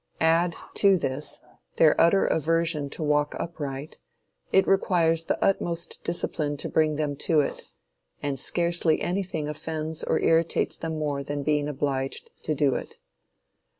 Add to this their utter aversion to walk upright; it requires the utmost discipline to bring them to it, and scarcely anything offends or irritates them more than to be obliged to do it.